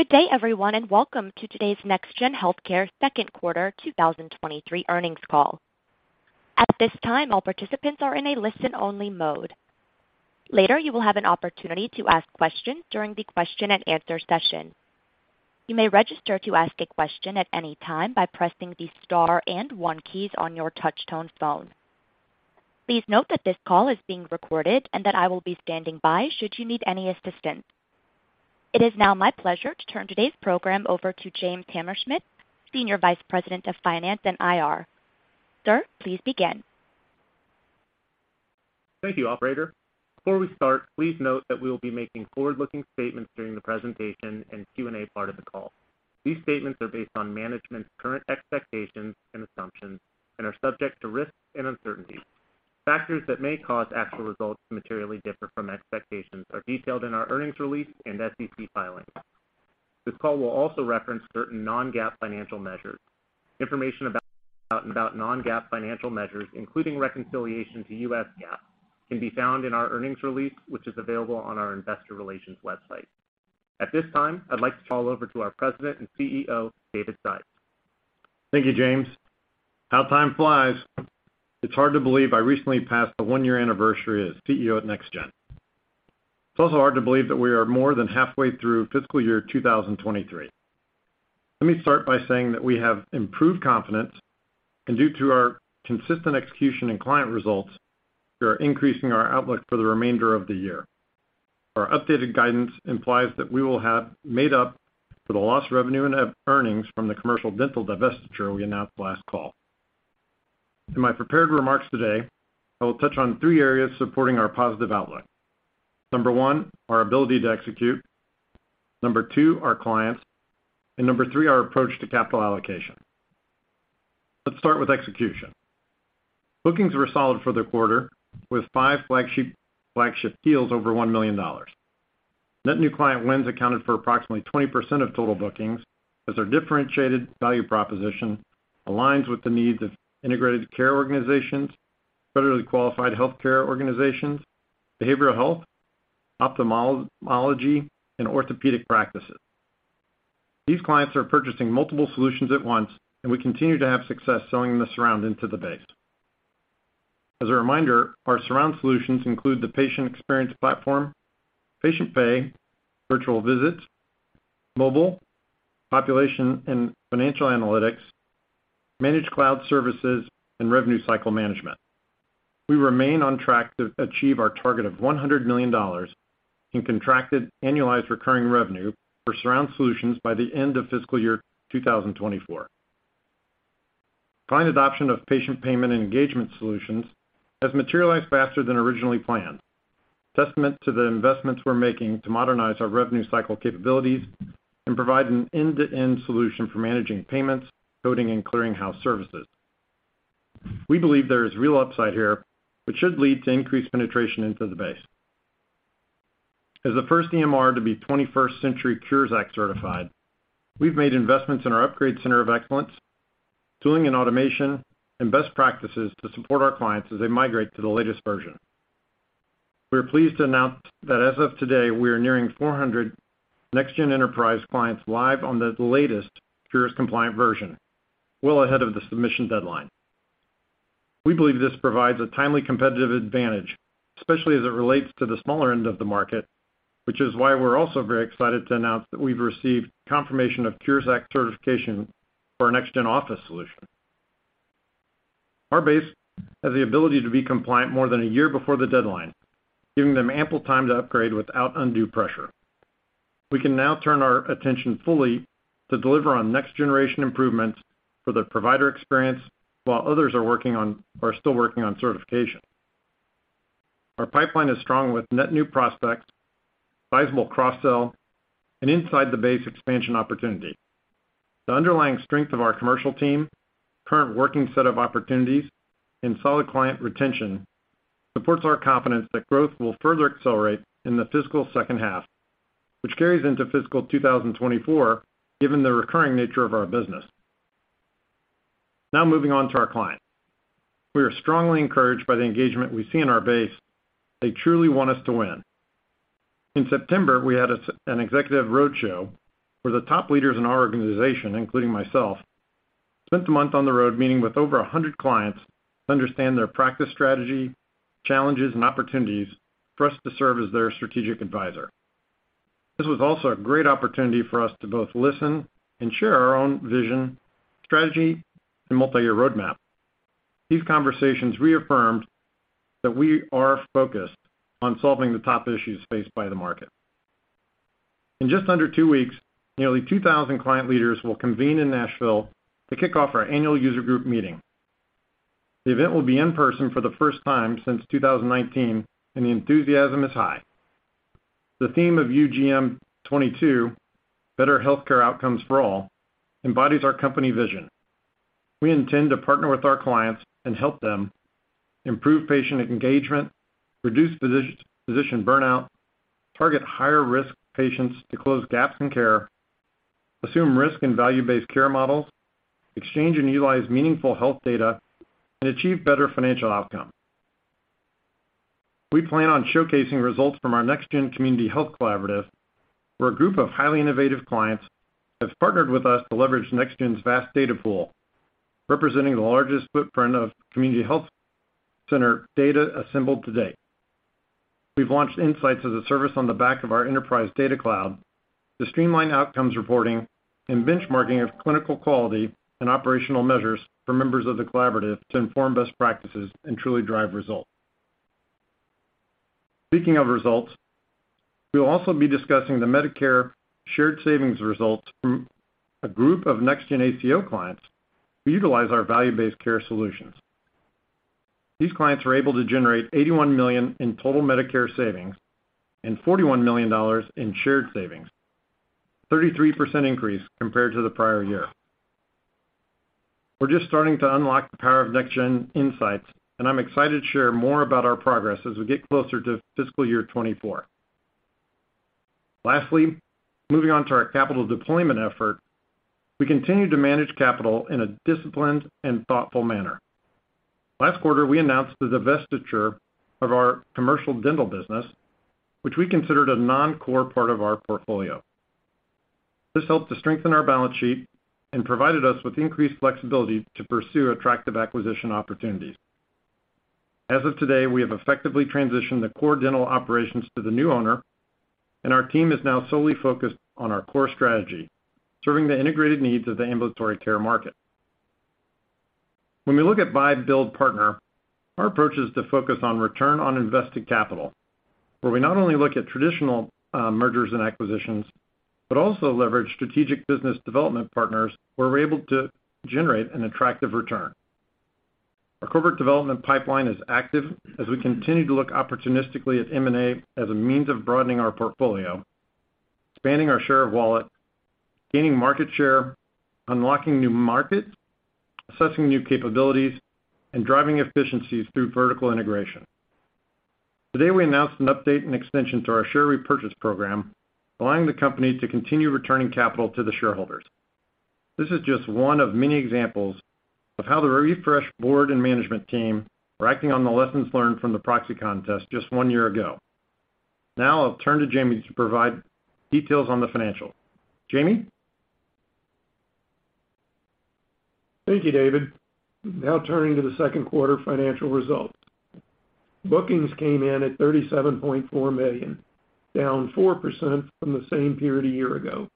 Good day, everyone, and welcome to today's NextGen Healthcare Second Quarter 2023 Earnings Call. At this time, all participants are in a listen-only mode. Later, you will have an opportunity to ask questions during the question and answer session. You may register to ask a question at any time by pressing the star and one keys on your touch-tone phone. Please note that this call is being recorded and that I will be standing by should you need any assistance. It is now my pleasure to turn today's program over to James Hammerschmidt, Senior Vice President of Finance and IR. Sir, please begin. Thank you, operator. Before we start, please note that we will be making forward-looking statements during the presentation and Q&A part of the call. These statements are based on management's current expectations and assumptions and are subject to risks and uncertainties. Factors that may cause actual results to materially differ from expectations are detailed in our earnings release and SEC filings. This call will also reference certain non-GAAP financial measures. Information about non-GAAP financial measures, including reconciliation to U.S. GAAP, can be found in our earnings release, which is available on our Investor Relations website. At this time, I'd like to call over to our President and CEO, David Sides. Thank you, James. How time flies. It's hard to believe I recently passed the one-year anniversary as CEO at NextGen. It's also hard to believe that we are more than halfway through fiscal year 2023. Let me start by saying that we have improved confidence, and due to our consistent execution and client results, we are increasing our outlook for the remainder of the year. Our updated guidance implies that we will have made up for the lost revenue and earnings from the commercial dental divestiture we announced last call. In my prepared remarks today, I will touch on three areas supporting our positive outlook. Number one, our ability to execute. Number two, our clients. Number three, our approach to capital allocation. Let's start with execution. Bookings were solid for the quarter with five flagship deals over $1 million. Net new client wins accounted for approximately 20% of total bookings as our differentiated value proposition aligns with the needs of integrated care organizations, federally qualified healthcare organizations, behavioral health, ophthalmology, and orthopedic practices. These clients are purchasing multiple solutions at once, and we continue to have success selling the surround into the base. As a reminder, our surround solutions include the patient experience platform, patient pay, virtual visits, mobile, population and financial analytics, managed cloud services, and revenue cycle management. We remain on track to achieve our target of $100 million in contracted annualized recurring revenue for surround solutions by the end of fiscal year 2024. Client adoption of patient payment and engagement solutions has materialized faster than originally planned. Testament to the investments we're making to modernize our revenue cycle capabilities and provide an end-to-end solution for managing payments, coding, and clearing house services. We believe there is real upside here, which should lead to increased penetration into the base. As the first EMR to be 21st Century Cures Act certified, we've made investments in our upgrade center of excellence, tooling and automation, and best practices to support our clients as they migrate to the latest version. We are pleased to announce that as of today, we are nearing 400 NextGen Enterprise clients live on the latest Cures compliant version, well ahead of the submission deadline. We believe this provides a timely competitive advantage, especially as it relates to the smaller end of the market, which is why we're also very excited to announce that we've received confirmation of Cures Act certification for our NextGen Office solution. Our base has the ability to be compliant more than a year before the deadline, giving them ample time to upgrade without undue pressure. We can now turn our attention fully to deliver on next-generation improvements for the provider experience while others are still working on certification. Our pipeline is strong with net new prospects, sizable cross-sell, and inside the base expansion opportunity. The underlying strength of our commercial team, current working set of opportunities, and solid client retention supports our confidence that growth will further accelerate in the fiscal second half, which carries into fiscal 2024, given the recurring nature of our business. Now moving on to our clients. We are strongly encouraged by the engagement we see in our base. They truly want us to win. In September, we had an executive roadshow where the top leaders in our organization, including myself, spent a month on the road meeting with over 100 clients to understand their practice strategy, challenges, and opportunities for us to serve as their strategic advisor. This was also a great opportunity for us to both listen and share our own vision, strategy, and multi-year roadmap. These conversations reaffirmed that we are focused on solving the top issues faced by the market. In just under two weeks, nearly 2,000 client leaders will convene in Nashville to kick off our annual user group meeting. The event will be in person for the first time since 2019, and the enthusiasm is high. The theme of UGM 22, Better Healthcare Outcomes For All, embodies our company vision. We intend to partner with our clients and help them improve patient engagement, reduce physician burnout, target higher-risk patients to close gaps in care, assume risk and value-based care models, exchange and utilize meaningful health data, and achieve better financial outcomes. We plan on showcasing results from our NextGen Community Health Collaborative, where a group of highly innovative clients have partnered with us to leverage NextGen's vast data pool, representing the largest footprint of community health center data assembled to date. We've launched Insights as a service on the back of our enterprise data cloud to streamline outcomes reporting and benchmarking of clinical quality and operational measures for members of the collaborative to inform best practices and truly drive results. Speaking of results, we'll also be discussing the Medicare shared savings results from a group of NextGen ACO clients who utilize our value-based care solutions. These clients were able to generate $81 million in total Medicare savings and $41 million in shared savings, 33% increase compared to the prior year. We're just starting to unlock the power of NextGen Insights, and I'm excited to share more about our progress as we get closer to fiscal year 2024. Lastly, moving on to our capital deployment effort, we continue to manage capital in a disciplined and thoughtful manner. Last quarter, we announced the divestiture of our commercial dental business, which we considered a non-core part of our portfolio. This helped to strengthen our balance sheet and provided us with increased flexibility to pursue attractive acquisition opportunities. As of today, we have effectively transitioned the core dental operations to the new owner, and our team is now solely focused on our core strategy, serving the integrated needs of the ambulatory care market. When we look at buy, build, partner, our approach is to focus on return on invested capital, where we not only look at traditional mergers and acquisitions, but also leverage strategic business development partners where we're able to generate an attractive return. Our corporate development pipeline is active as we continue to look opportunistically at M&A as a means of broadening our portfolio, expanding our share of wallet, gaining market share, unlocking new markets, assessing new capabilities, and driving efficiencies through vertical integration. Today, we announced an update and extension to our share repurchase program, allowing the company to continue returning capital to the shareholders. This is just one of many examples of how the refreshed board and management team are acting on the lessons learned from the proxy contest just one year ago. Now I'll turn to Jamie to provide details on the financials. Jamie? Thank you, David. Now turning to the second quarter financial results. Bookings came in at $37.4 million, down 4% from the same period a year ago,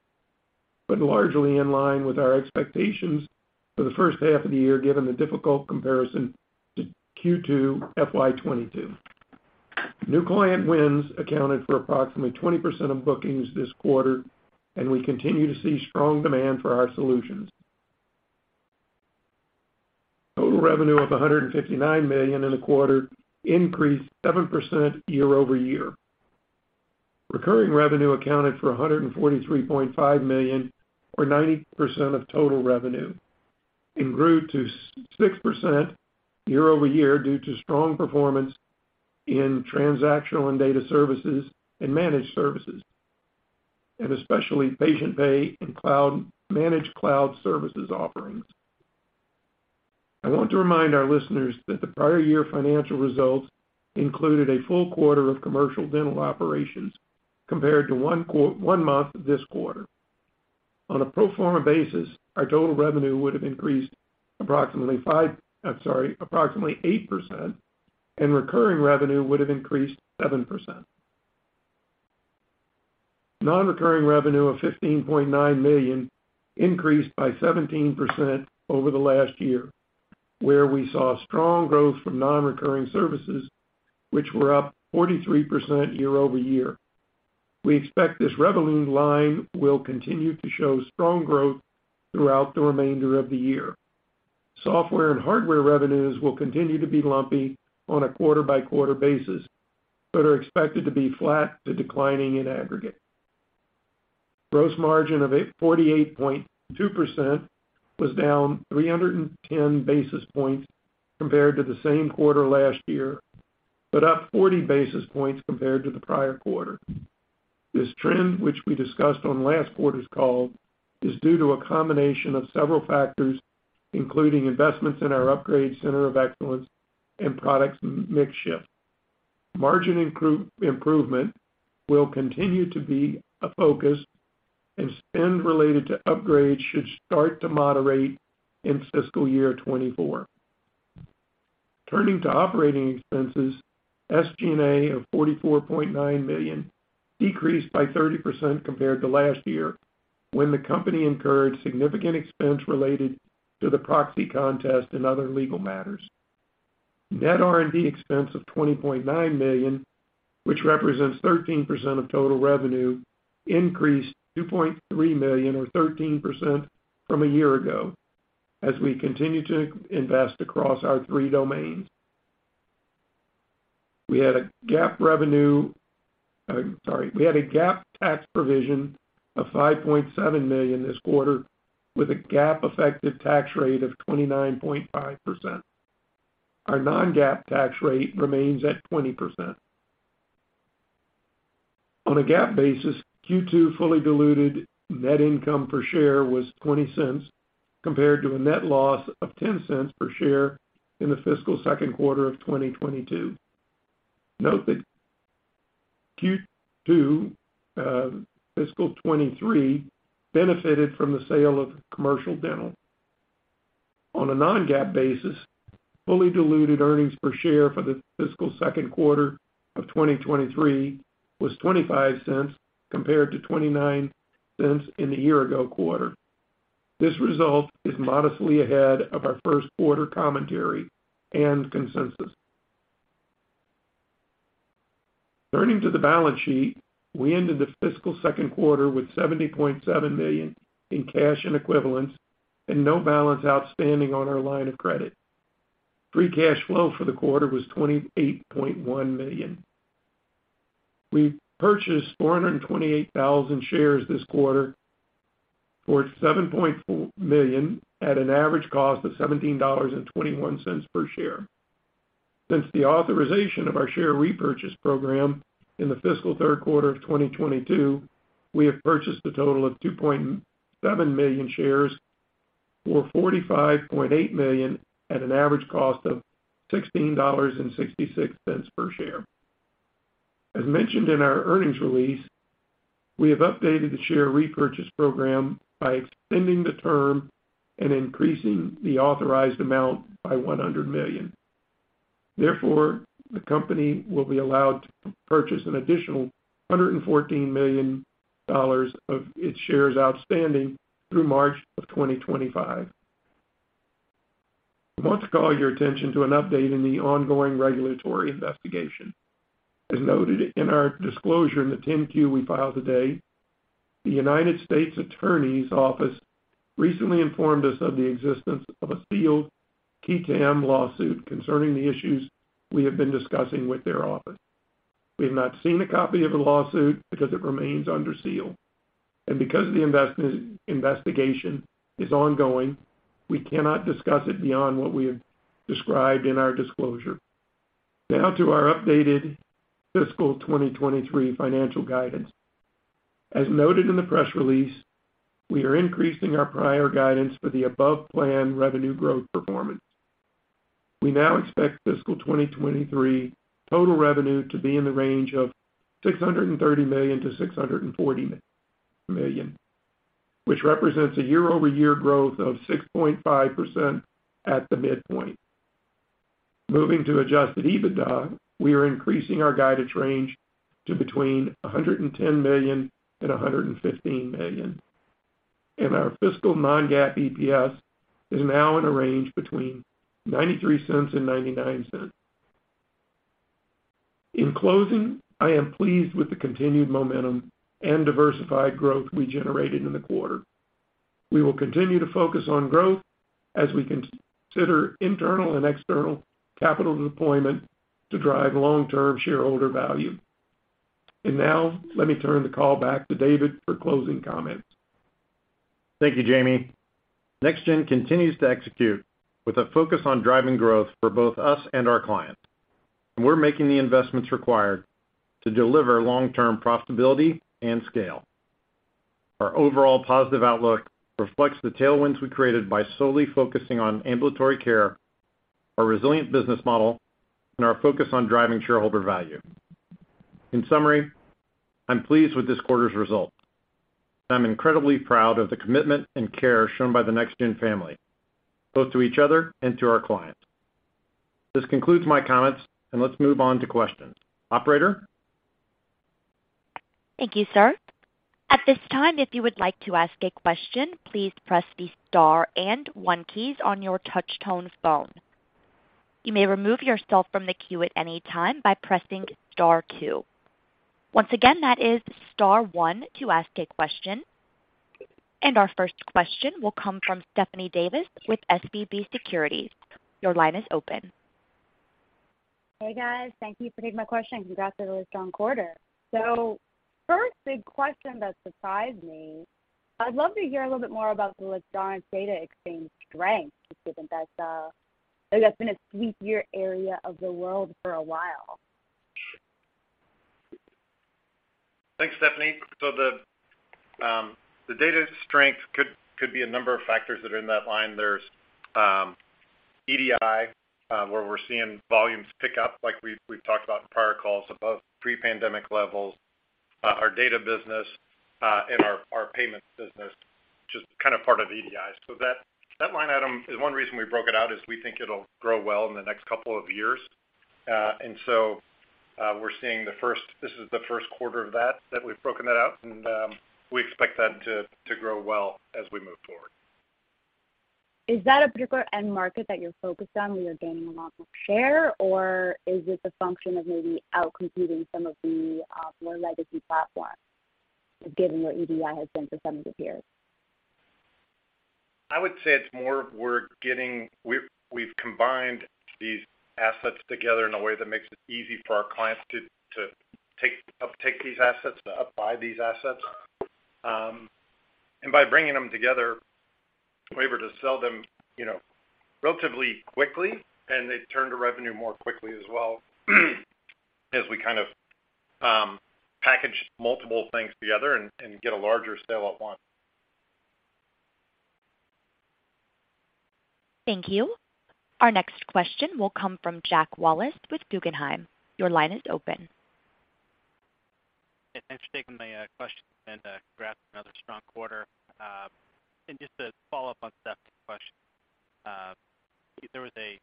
but largely in line with our expectations for the first half of the year, given the difficult comparison to Q2 FY 2022. New client wins accounted for approximately 20% of bookings this quarter, and we continue to see strong demand for our solutions. Total revenue of $159 million in the quarter increased 7% year-over-year. Recurring revenue accounted for $143.5 million or 90% of total revenue and grew 6% year-over-year due to strong performance in transactional and data services and managed services, and especially patient pay and cloud-managed cloud services offerings. I want to remind our listeners that the prior year financial results included a full quarter of commercial dental operations compared to one month this quarter. On a pro forma basis, our total revenue would have increased approximately 8%, and recurring revenue would have increased 7%. Non-recurring revenue of $15.9 million increased by 17% over the last year, where we saw strong growth from non-recurring services, which were up 43% year-over-year. We expect this revenue line will continue to show strong growth throughout the remainder of the year. Software and hardware revenues will continue to be lumpy on a quarter-by-quarter basis, but are expected to be flat to declining in aggregate. Gross margin of 48.2% was down 310 basis points compared to the same quarter last year, but up 40 basis points compared to the prior quarter. This trend, which we discussed on last quarter's call, is due to a combination of several factors, including investments in our upgrade center of excellence and product mix shift. Margin improvement will continue to be a focus and spend related to upgrades should start to moderate in fiscal year 2024. Turning to operating expenses, SG&A of $44.9 million decreased by 30% compared to last year, when the company incurred significant expense related to the proxy contest and other legal matters. Net R&D expense of $20.9 million, which represents 13% of total revenue, increased $2.3 million or 13% from a year ago as we continue to invest across our three domains. We had a GAAP tax provision of $5.7 million this quarter with a GAAP effective tax rate of 29.5%. Our non-GAAP tax rate remains at 20%. On a GAAP basis, Q2 fully diluted net income per share was $0.20 compared to a net loss of $0.10 per share in the fiscal second quarter of 2022. Note that Q2 fiscal 2023 benefited from the sale of commercial dental. On a non-GAAP basis, fully diluted earnings per share for the fiscal second quarter of 2023 was $0.25 compared to $0.29 in the year ago quarter. This result is modestly ahead of our first quarter commentary and consensus. Turning to the balance sheet, we ended the fiscal second quarter with $70.7 million in cash and equivalents and no balance outstanding on our line of credit. Free cash flow for the quarter was $28.1 million. We purchased 428,000 shares this quarter for $7.4 million at an average cost of $17.21 per share. Since the authorization of our share repurchase program in the fiscal third quarter of 2022, we have purchased a total of 2.7 million shares for $45.8 million at an average cost of $16.66 per share. As mentioned in our earnings release, we have updated the share repurchase program by extending the term and increasing the authorized amount by $100 million. Therefore, the company will be allowed to purchase an additional $114 million of its shares outstanding through March of 2025. I want to call your attention to an update in the ongoing regulatory investigation. As noted in our disclosure in the 10-Q we filed today, the United States Attorney's Office recently informed us of the existence of a sealed qui tam lawsuit concerning the issues we have been discussing with their office. We have not seen a copy of the lawsuit because it remains under seal. Because the investigation is ongoing, we cannot discuss it beyond what we have described in our disclosure. Now to our updated fiscal 2023 financial guidance. As noted in the press release, we are increasing our prior guidance for the above-plan revenue growth performance. We now expect fiscal 2023 total revenue to be in the range of $630 million-$640 million, which represents a year-over-year growth of 6.5% at the midpoint. Moving to adjusted EBITDA, we are increasing our guidance range to between $110 million and $115 million. Our fiscal non-GAAP EPS is now in a range between $0.93 and $0.99. In closing, I am pleased with the continued momentum and diversified growth we generated in the quarter. We will continue to focus on growth as we consider internal and external capital deployment to drive long-term shareholder value. Now, let me turn the call back to David for closing comments. Thank you, Jamie. NextGen continues to execute with a focus on driving growth for both us and our clients, and we're making the investments required to deliver long-term profitability and scale. Our overall positive outlook reflects the tailwinds we created by solely focusing on ambulatory care, our resilient business model, and our focus on driving shareholder value. In summary, I'm pleased with this quarter's results, and I'm incredibly proud of the commitment and care shown by the NextGen family, both to each other and to our clients. This concludes my comments, and let's move on to questions. Operator? Thank you, sir. At this time, if you would like to ask a question, please press the star and one keys on your touch-tone phone. You may remove yourself from the queue at any time by pressing star two. Once again, that is star one to ask a question. Our first question will come from Stephanie Davis with SVB Securities. Your line is open. Hey, guys. Thank you for taking my question. Congrats on a strong quarter. First big question that surprised me, I'd love to hear a little bit more about the large data exchange strength, given that that's been a sleepier area of the world for a while. Thanks, Stephanie. The data strength could be a number of factors that are in that line. There's EDI where we're seeing volumes pick up like we've talked about in prior calls above pre-pandemic levels. Our data business and our payments business, which is kind of part of EDI. That line item is one reason we broke it out is we think it'll grow well in the next couple of years. This is the first quarter of that we've broken that out, and we expect that to grow well as we move forward. Is that a particular end market that you're focused on where you're gaining a lot of share, or is it the function of maybe outcompeting some of the more legacy platforms given what EDI has been for so many years? I would say it's more of we've combined these assets together in a way that makes it easy for our clients to uptake these assets, to apply these assets, and by bringing them together, we were able to sell them, you know, relatively quickly, and they turn to revenue more quickly as well as we kind of package multiple things together and get a larger sale at once. Thank you. Our next question will come from Jack Wallace with Guggenheim. Your line is open. Yeah, thanks for taking my question and congrats on another strong quarter. Just to follow up on Stephanie's question, there was a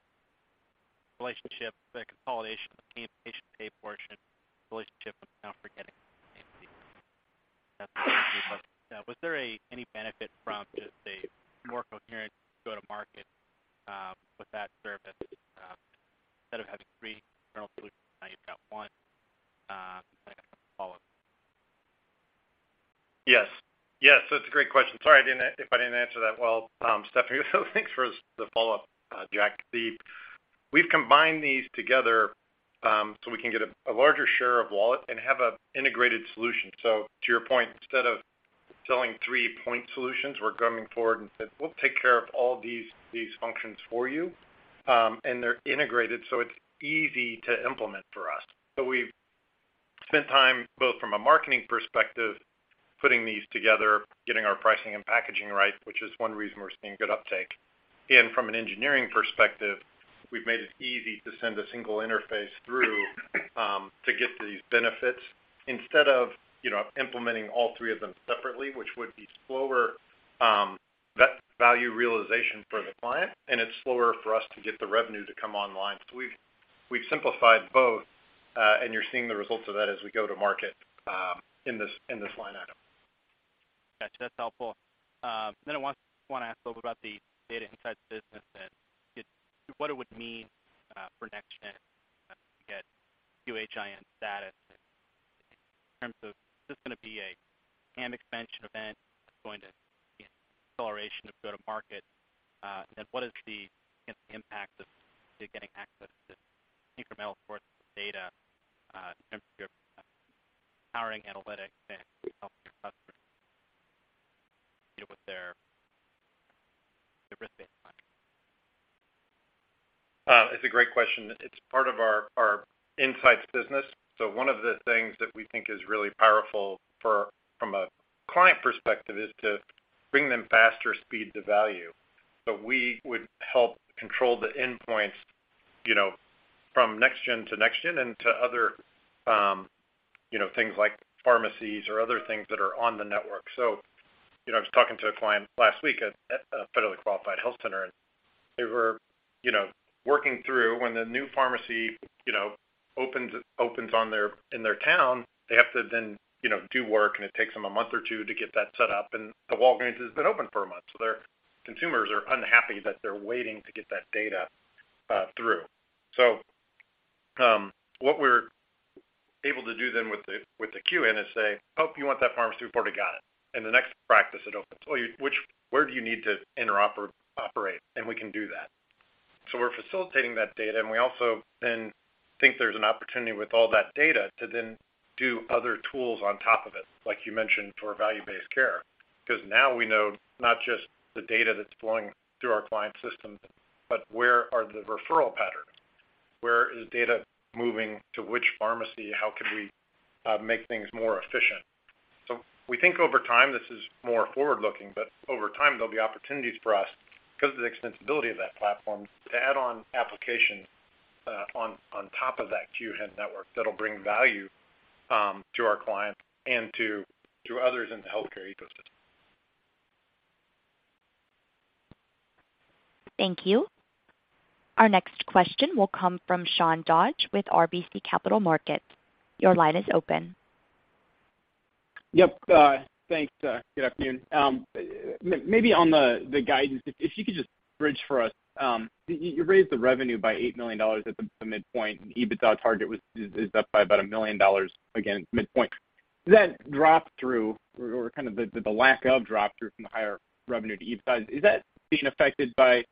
relationship, the consolidation of the patient pay portion relationship. Was there any benefit from just a more coherent go-to-market with that service, instead of having three internal solutions, now you've got one, follow-up. Yes. Yes. That's a great question. Sorry, if I didn't answer that well, Stephanie. Thanks for the follow-up, Jack. We've combined these together, so we can get a larger share of wallet and have a integrated solution. To your point, instead of selling three point solutions, we're coming forward and said, "We'll take care of all these functions for you." They're integrated, so it's easy to implement for us. We've spent time, both from a marketing perspective, putting these together, getting our pricing and packaging right, which is one reason we're seeing good uptake. From an engineering perspective, we've made it easy to send a single interface through to get these benefits instead of, you know, implementing all three of them separately, which would be slower, that value realization for the client, and it's slower for us to get the revenue to come online. We've simplified both, and you're seeing the results of that as we go to market in this line item. Got you. That's helpful. I want to ask a little about the data insights business and what it would mean for NextGen to get QHIN status in terms of is this gonna be a game expansion event that's going to be an acceleration of go-to-market? What is the, I guess, impact of getting access to incremental source of data in terms of your powering analytics and helping your customers, you know, with their risk-based? It's a great question. It's part of our insights business. One of the things that we think is really powerful from a client perspective is to bring them faster speed to value. We would help control the endpoints, you know, from NextGen to NextGen and to other, you know, things like pharmacies or other things that are on the network. You know, I was talking to a client last week at a federally qualified health center, and they were, you know, working through when the new pharmacy, you know, opens in their town, they have to then, you know, do work, and it takes them a month or two to get that set up. The Walgreens has been open for a month, so their consumers are unhappy that they're waiting to get that data through. What we're able to do then with the QHIN is say, "Oh, you want that pharmacy report? I got it." The next practice it opens, "Oh, where do you need to interoperate?" We can do that. We're facilitating that data, and we also then think there's an opportunity with all that data to then do other tools on top of it, like you mentioned, for value-based care. Cause now we know not just the data that's flowing through our client system, but where are the referral patterns? Where is data moving to which pharmacy? How can we make things more efficient? We think over time, this is more forward-looking, but over time, there'll be opportunities for us, cause of the extensibility of that platform, to add on applications, on top of that QHIN network that'll bring value, to our clients and to others in the healthcare ecosystem. Thank you. Our next question will come from Sean Dodge with RBC Capital Markets. Your line is open. Yep. Thanks. Good afternoon. Maybe on the guidance, if you could just bridge for us. You raised the revenue by $8 million at the midpoint. EBITDA target is up by about $1 million, again, midpoint. Does that drop through or kind of the lack of drop through from the higher revenue to EBITDA, is that being affected by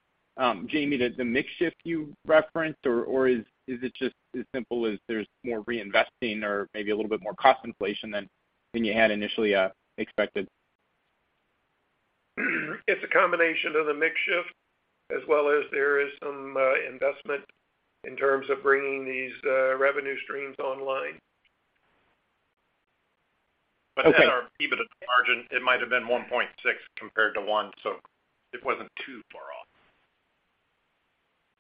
Jamie, the mix shift you referenced, or is it just as simple as there's more reinvesting or maybe a little bit more cost inflation than you had initially expected? It's a combination of the mix shift as well as there is some investment in terms of bringing these revenue streams online. Okay. Our EBITDA margin, it might have been 1.6% compared to 1%, so it wasn't too far off.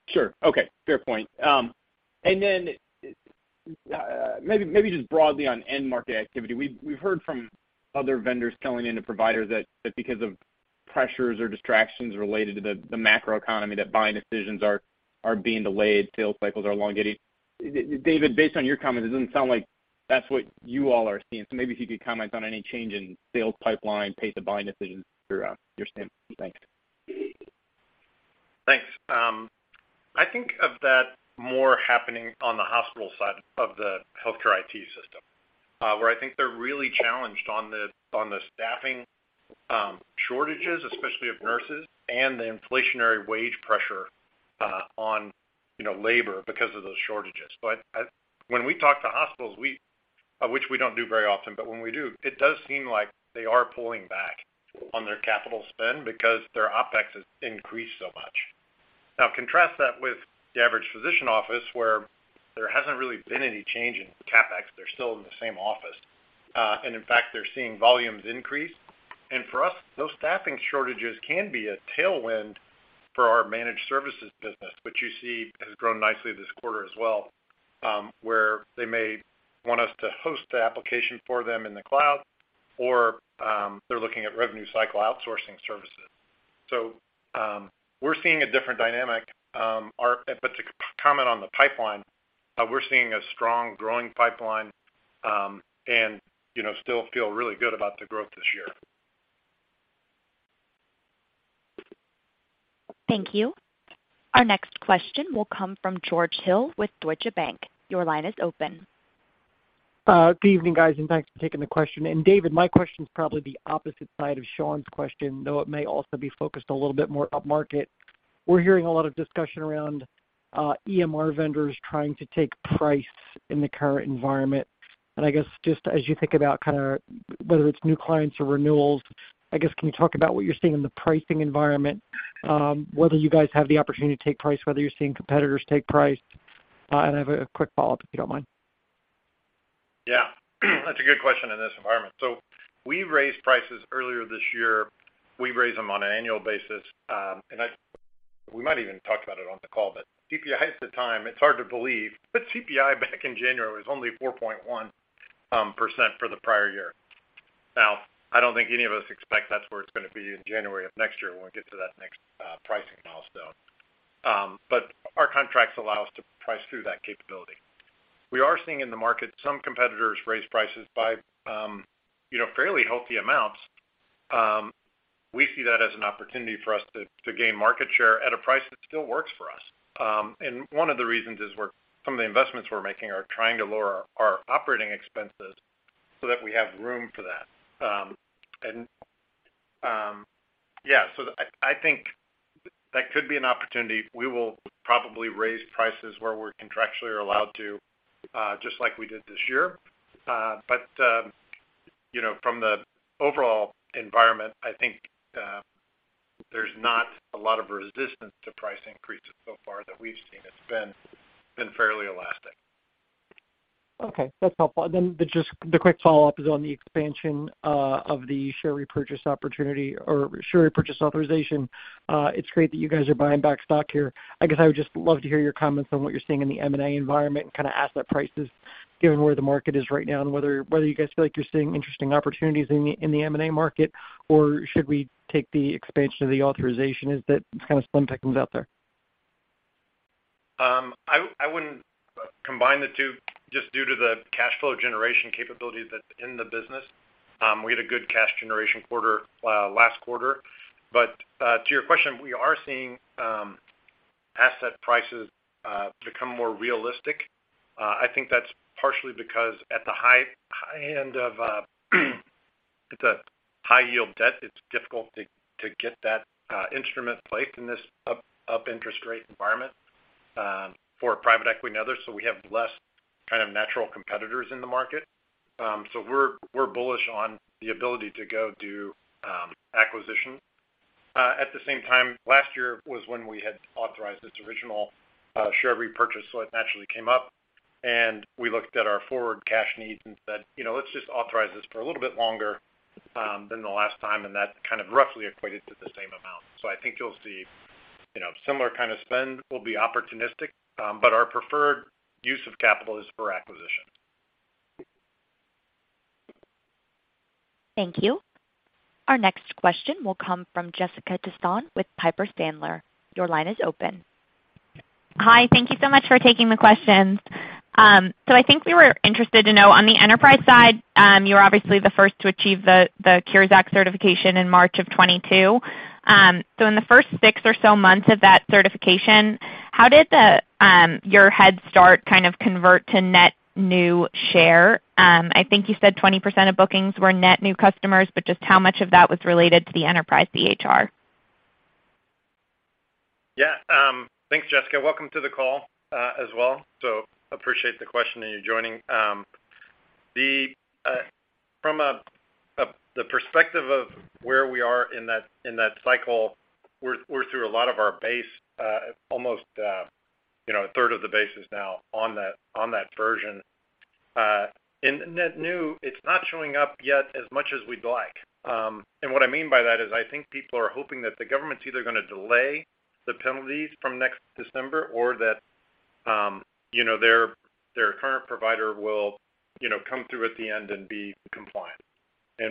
Sure. Okay. Fair point. Maybe just broadly on end market activity. We've heard from other vendors selling into providers that because of pressures or distractions related to the macroeconomy, buying decisions are being delayed, sales cycles are elongating. David, based on your comments, it doesn't sound like that's what you all are seeing. Maybe if you could comment on any change in sales pipeline, pace of buying decisions through your sense. Thanks. Thanks. I think of that more happening on the hospital side of the healthcare IT system, where I think they're really challenged on the staffing shortages, especially of nurses and the inflationary wage pressure, you know, on labor because of those shortages. When we talk to hospitals, which we don't do very often, but when we do, it does seem like they are pulling back on their capital spend because their OpEx has increased so much. Now contrast that with the average physician office, where there hasn't really been any change in CapEx. They're still in the same office. In fact, they're seeing volumes increase. For us, those staffing shortages can be a tailwind for our managed services business, which you see has grown nicely this quarter as well, where they may want us to host the application for them in the cloud, or they're looking at revenue cycle outsourcing services. We're seeing a different dynamic, but to comment on the pipeline, we're seeing a strong growing pipeline, and you know, still feel really good about the growth this year. Thank you. Our next question will come from George Hill with Deutsche Bank. Your line is open. Good evening, guys, and thanks for taking the question. David, my question is probably the opposite side of Sean's question, though it may also be focused a little bit more upmarket. We're hearing a lot of discussion around EMR vendors trying to take price in the current environment. I guess just as you think about kind of whether it's new clients or renewals, I guess, can you talk about what you're seeing in the pricing environment, whether you guys have the opportunity to take price, whether you're seeing competitors take price? I have a quick follow-up, if you don't mind. Yeah. That's a good question in this environment. We raised prices earlier this year. We raise them on an annual basis, and we might even talk about it on the call, but CPI at the time, it's hard to believe, but CPI back in January was only 4.1% for the prior year. Now, I don't think any of us expect that's where it's gonna be in January of next year when we get to that next pricing milestone. Our contracts allow us to price through that capability. We are seeing in the market some competitors raise prices by, you know, fairly healthy amounts. We see that as an opportunity for us to gain market share at a price that still works for us. One of the reasons is some of the investments we're making are trying to lower our operating expenses so that we have room for that. I think that could be an opportunity. We will probably raise prices where we're contractually allowed to, just like we did this year. You know, from the overall environment, I think there's not a lot of resistance to price increases so far that we've seen. It's been fairly elastic. Okay. That's helpful. Just the quick follow-up is on the expansion of the share repurchase opportunity or share repurchase authorization. It's great that you guys are buying back stock here. I guess I would just love to hear your comments on what you're seeing in the M&A environment and kind of asset prices given where the market is right now and whether you guys feel like you're seeing interesting opportunities in the M&A market, or should we take the expansion of the authorization? Is that kind of signaling out there? I wouldn't combine the two just due to the cash flow generation capability that's in the business. We had a good cash generation quarter last quarter. To your question, we are seeing asset prices become more realistic. I think that's partially because at the high end of the high yield debt, it's difficult to get that instrument placed in this upward interest rate environment for private equity and others. We have less kind of natural competitors in the market. We're bullish on the ability to go do acquisition. At the same time, last year was when we had authorized its original share repurchase, so it naturally came up, and we looked at our forward cash needs and said, "You know, let's just authorize this for a little bit longer than the last time." That kind of roughly equated to the same amount. I think you'll see, you know, similar kind of spend will be opportunistic, but our preferred use of capital is for acquisition. Thank you. Our next question will come from Jessica Tassan with Piper Sandler. Your line is open. Hi. Thank you so much for taking the questions. I think we were interested to know on the enterprise side, you were obviously the first to achieve the Cures Act certification in March of 2022. In the first six or so months of that certification, how did your head start kind of convert to net new share? I think you said 20% of bookings were net new customers, but just how much of that was related to the enterprise EHR? Yeah. Thanks, Jessica. Welcome to the call, as well. Appreciate the question and you joining. From the perspective of where we are in that cycle, we're through a lot of our base, almost, you know, a third of the base is now on that version. In net new, it's not showing up yet as much as we'd like. What I mean by that is I think people are hoping that the government's either gonna delay the penalties from next December or that, you know, their current provider will, you know, come through at the end and be compliant.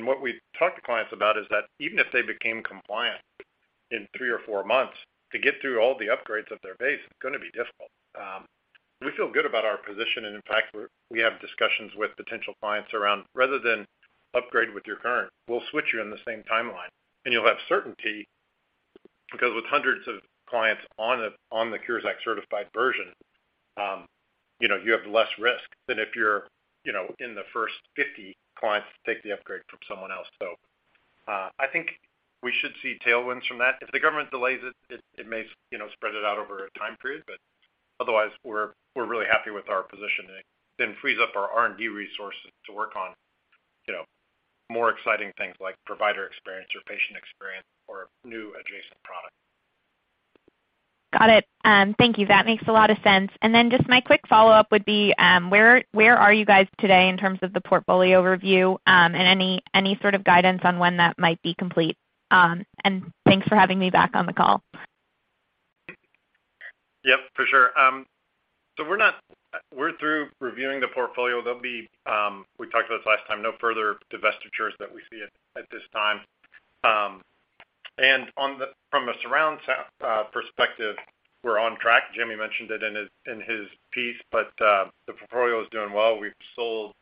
What we've talked to clients about is that even if they became compliant in three or four months, to get through all the upgrades of their base is gonna be difficult. We feel good about our position, and in fact, we have discussions with potential clients around rather than upgrade with your current, we'll switch you in the same timeline, and you'll have certainty. Because with hundreds of clients on the Cures Act certified version, you know, you have less risk than if you're, you know, in the first 50 clients to take the upgrade from someone else. I think we should see tailwinds from that. If the government delays it may, you know, spread it out over a time period. Otherwise, we're really happy with our positioning, then frees up our R&D resources to work on, you know, more exciting things like provider experience or patient experience or new adjacent products. Got it. Thank you. That makes a lot of sense. Just my quick follow-up would be, where are you guys today in terms of the portfolio review, and any sort of guidance on when that might be complete? Thanks for having me back on the call. Yep, for sure. We're through reviewing the portfolio. There'll be, we talked about this last time, no further divestitures that we see at this time. From a SaaS perspective, we're on track. Jimmy mentioned it in his piece, but the portfolio is doing well. We've sold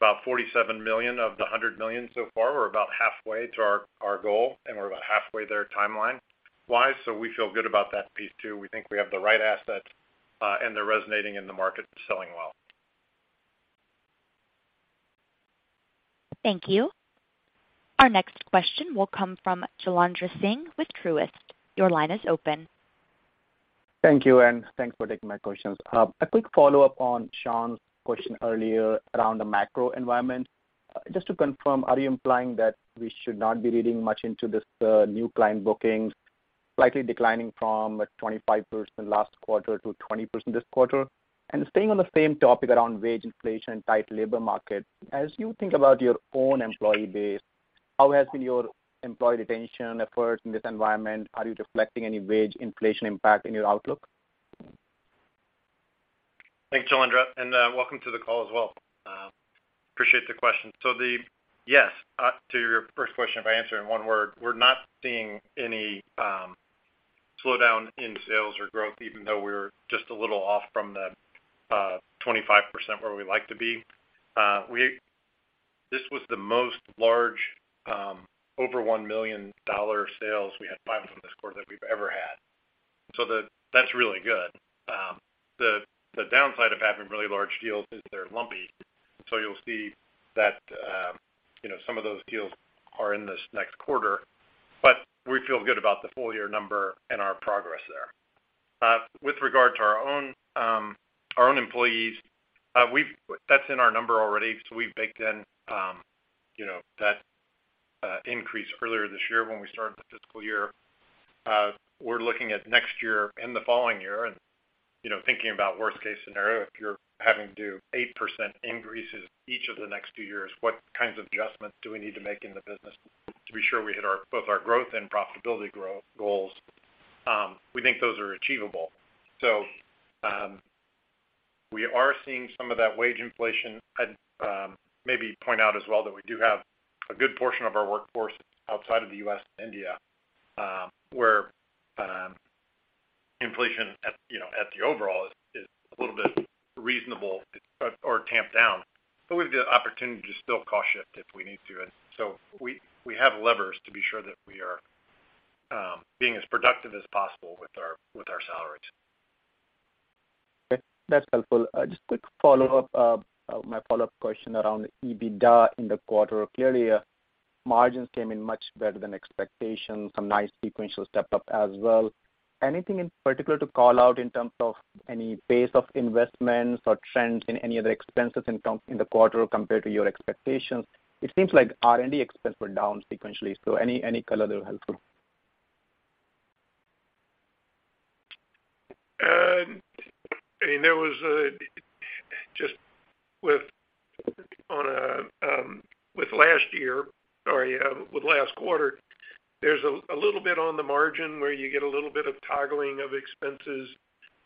about $47 million of the $100 million so far. We're about halfway to our goal, and we're about halfway there timeline-wise. We feel good about that piece, too. We think we have the right assets, and they're resonating in the market and selling well. Thank you. Our next question will come from Jailendra Singh with Truist. Your line is open. Thank you, and thanks for taking my questions. A quick follow-up on Sean's question earlier around the macro environment. Just to confirm, are you implying that we should not be reading much into this, new client bookings likely declining from 25% last quarter to 20% this quarter? Staying on the same topic around wage inflation and tight labor market, as you think about your own employee base, how has been your employee retention efforts in this environment? Are you reflecting any wage inflation impact in your outlook? Thanks, Jailendra, and, welcome to the call as well. Appreciate the question. Yes, to your first question, if I answer in one word, we're not seeing any slowdown in sales or growth, even though we're just a little off from the 25% where we like to be. This was the most large over $1 million sales we had five of them this quarter than we've ever had. That's really good. The downside of having really large deals is they're lumpy. You'll see that, you know, some of those deals are in this next quarter, but we feel good about the full year number and our progress there. With regard to our own employees, that's in our number already. We've baked in, you know, that increase earlier this year when we started the fiscal year. We're looking at next year and the following year and, you know, thinking about worst case scenario, if you're having to do 8% increases each of the next two years, what kinds of adjustments do we need to make in the business to be sure we hit our, both our growth and profitability goals? We think those are achievable. We are seeing some of that wage inflation. I'd maybe point out as well that we do have a good portion of our workforce outside of the U.S. and India, where, inflation, you know, at the overall is a little bit reasonable or tamped down. We have the opportunity to still cost shift if we need to. We have levers to be sure that we are being as productive as possible with our salaries. Okay, that's helpful. Just a quick follow-up. My follow-up question around the EBITDA in the quarter. Clearly, margins came in much better than expectations, some nice sequential step up as well. Anything in particular to call out in terms of any pace of investments or trends in any other expenses in the quarter compared to your expectations? It seems like R&D expenses were down sequentially, so any color there would be helpful. I mean, there was a little bit on the margin with last quarter where you get a little bit of toggling of expenses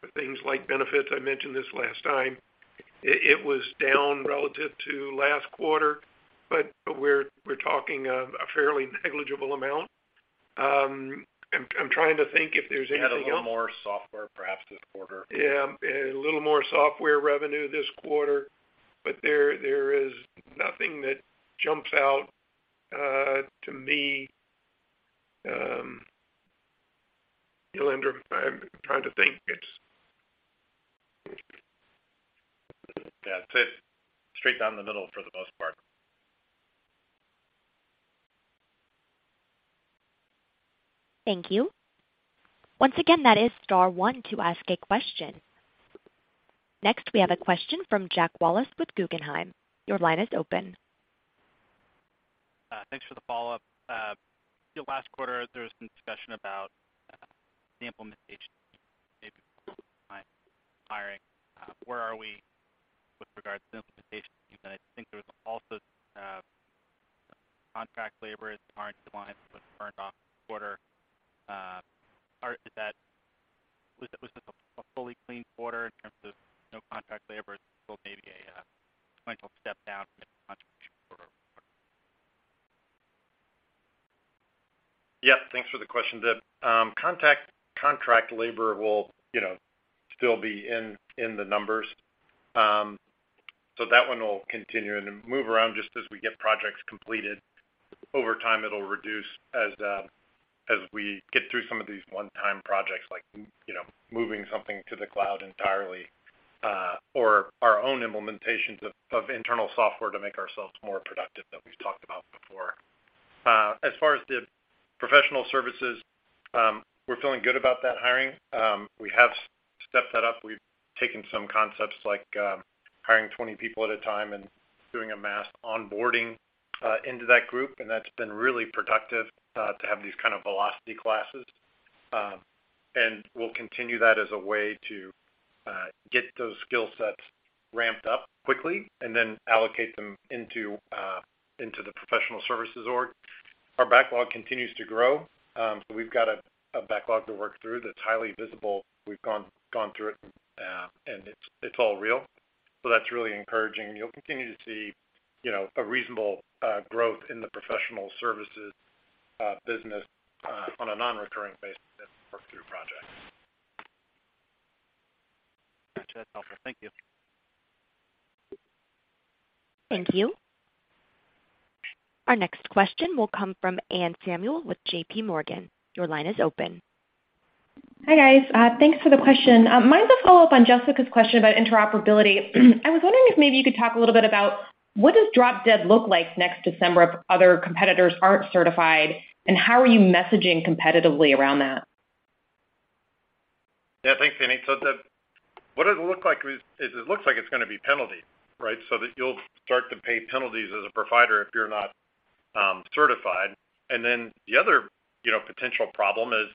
for things like benefits. I mentioned this last time. It was down relative to last quarter, but we're talking a fairly negligible amount. I'm trying to think if there's anything else. We had a little more software perhaps this quarter. Yeah, a little more software revenue this quarter, but there is nothing that jumps out to me, Jailendra. I'm trying to think. It's. That's it. Straight down the middle for the most part. Thank you. Once again, that is star one to ask a question. Next, we have a question from Jack Wallace with Guggenheim. Your line is open. Thanks for the follow-up. Last quarter, there was some discussion about the implementation maybe hiring. Where are we with regards to the implementation? I think there was also contract labor as part of the line that was burned off this quarter. Was this a fully clean quarter in terms of no contract labor, or maybe a sequential step down from a contribution quarter over quarter? Yeah, thanks for the question, Jack. Contract labor will, you know, still be in the numbers. That one will continue and then move around just as we get projects completed. Over time, it'll reduce as we get through some of these one-time projects like, you know, moving something to the cloud entirely, or our own implementations of internal software to make ourselves more productive that we've talked about before. As far as the professional services, we're feeling good about that hiring. We have stepped that up. We've taken some concepts like, hiring 20 people at a time and doing a mass onboarding into that group, and that's been really productive to have these kind of velocity classes. We'll continue that as a way to get those skill sets ramped up quickly and then allocate them into the professional services org. Our backlog continues to grow. We've got a backlog to work through that's highly visible. We've gone through it, and it's all real. That's really encouraging. You'll continue to see, you know, a reasonable growth in the professional services business on a non-recurring basis as we work through projects. Gotcha. That's helpful. Thank you. Thank you. Our next question will come from Anne Samuel with J.P. Morgan. Your line is open. Hi, guys. Thanks for the question. Mine's a follow-up on Jessica's question about interoperability. I was wondering if maybe you could talk a little bit about what does drop dead look like next December if other competitors aren't certified, and how are you messaging competitively around that? Yeah, thanks, Annie. It looks like it's gonna be penalty, right? You'll start to pay penalties as a provider if you're not certified. The other, you know, potential problem is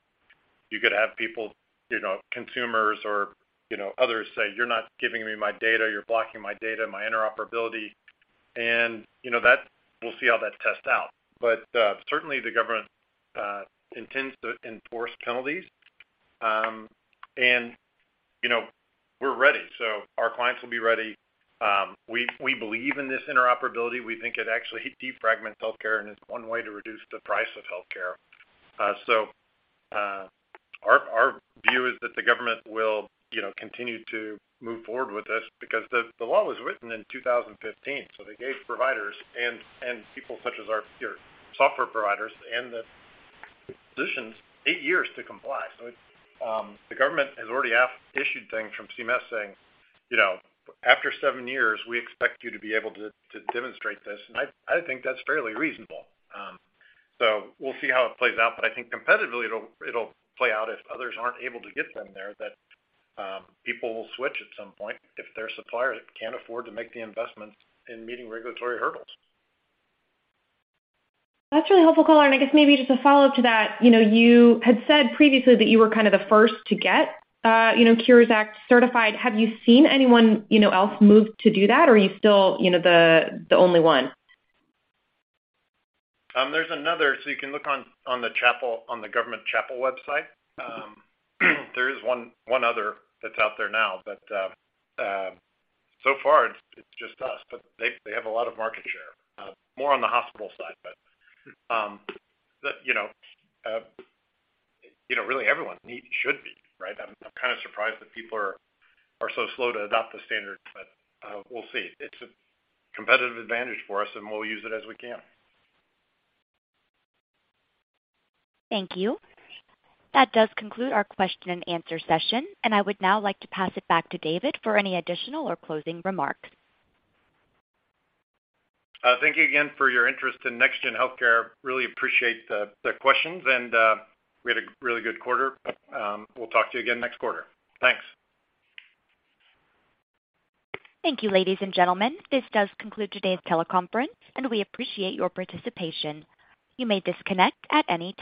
you could have people, you know, consumers or, you know, others say, "You're not giving me my data. You're blocking my data, my interoperability." You know, that's. We'll see how that tests out. Certainly the government intends to enforce penalties. You know, we're ready, so our clients will be ready. We believe in this interoperability. We think it actually defragments healthcare and is one way to reduce the price of healthcare. Our view is that the government will, you know, continue to move forward with this because the law was written in 2015, so they gave providers and people such as our your software providers and the physicians 8 years to comply. It's. The government has already issued things from CMS saying, you know, "After seven years, we expect you to be able to demonstrate this." I think that's fairly reasonable. We'll see how it plays out, but I think competitively it'll play out if others aren't able to get them there that people will switch at some point if their supplier can't afford to make the investment in meeting regulatory hurdles. That's really helpful, Colin. I guess maybe just a follow-up to that. You know, you had said previously that you were kinda the first to get, you know, Cures Act certified. Have you seen anyone, you know, else move to do that, or are you still, you know, the only one? There's another. You can look on the CHPL, on the government CHPL website. There is one other that's out there now, but so far it's just us. They have a lot of market share, more on the hospital side. You know, really, everyone should be, right? I'm kinda surprised that people are so slow to adopt the standard, but we'll see. It's a competitive advantage for us, and we'll use it as we can. Thank you. That does conclude our question and answer session, and I would now like to pass it back to David for any additional or closing remarks. Thank you again for your interest in NextGen Healthcare. Really appreciate the questions, and we had a really good quarter. We'll talk to you again next quarter. Thanks. Thank you, ladies and gentlemen. This does conclude today's teleconference, and we appreciate your participation. You may disconnect at any time.